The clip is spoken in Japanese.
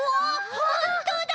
ほんとだ！